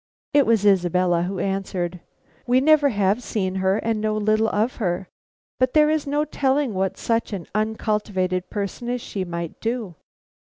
It was Isabella who answered. "We never have seen her and know little of her, but there is no telling what such an uncultivated person as she might do.